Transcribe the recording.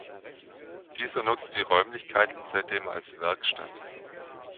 Dieser nutzt die Räumlichkeiten seitdem als Werkstatt.